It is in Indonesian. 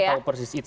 saya tahu persis itu